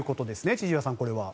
千々岩さん、これは。